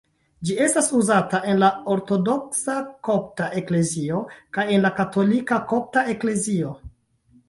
Ĝi estas uzata en la Ortodoksa Kopta Eklezio kaj en la Katolika Kopta Eklezio.